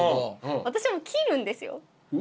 私も切るんですよ。